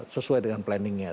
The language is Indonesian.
sesuai dengan planningnya